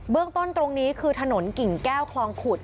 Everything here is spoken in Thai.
ต้นตรงนี้คือถนนกิ่งแก้วคลองขุด